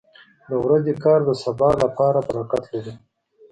• د ورځې کار د سبا لپاره برکت لري.